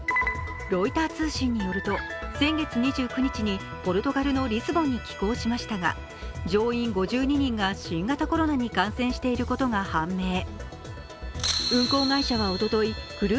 ロイター通信によると先月２８日にポルトガルのリスボンに寄港しましたが乗員５２人が新型コロナに感染していることが判明。